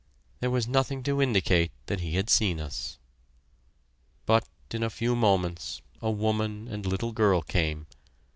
There was nothing to indicate that he had seen us. But in a few moments a woman and little girl came.